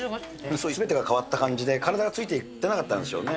そう、すべてが変わった感じで体がついていってなかったんでしょうね。